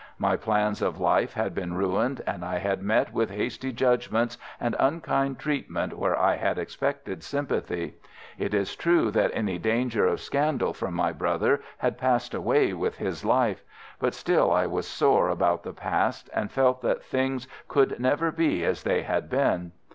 My plans of life had been ruined, and I had met with hasty judgments and unkind treatment where I had expected sympathy. It is true that any danger of scandal from my brother had passed away with his life; but still, I was sore about the past, and felt that things could never be as they had been.